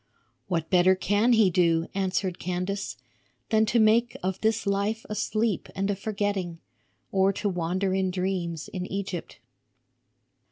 "What better can he do," answered Candace, "than to make of this life a sleep and a forgetting, or to wander in dreams in Egypt?"